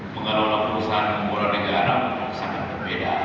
mengelola perusahaan pengelola negara sangat berbeda